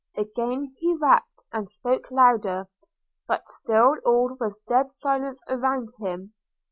Again he rapped, and spoke louder; but still all was dead silence around him.